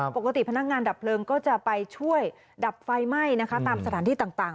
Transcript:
ปกติพนักงานดับเพลิงก็จะไปช่วยดับไฟไหม้นะคะตามสถานที่ต่าง